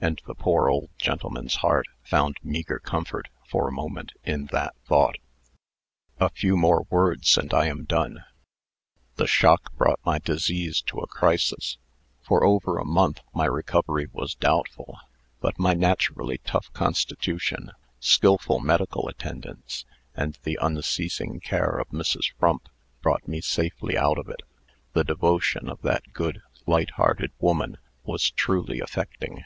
And the poor old gentleman's heart found meagre comfort, for a moment, in that thought. "A few words more, and I am done. The shock brought my disease to a crisis. For over a month my recovery was doubtful. But my naturally tough constitution, skilful medical attendance, and the unceasing care of Mrs. Frump, brought me safely out of it. The devotion of that good, light hearted woman was truly affecting.